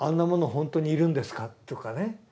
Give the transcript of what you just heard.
本当にいるんですかとかね。